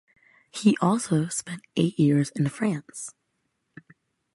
He also spent eight years in France.